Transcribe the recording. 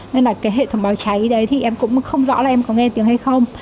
nên là cái hệ thống báo cháy đấy thì em cũng không rõ là em có nghe tiếng hay không